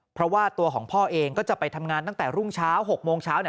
เพราะว่าตัวของพ่อเองก็จะไปทำงานตั้งแต่รุ่งเช้า๖โมงเช้าเนี่ย